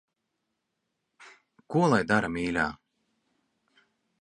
Ko lai dara, mīļā.